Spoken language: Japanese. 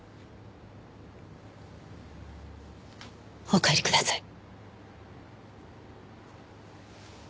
お帰りください。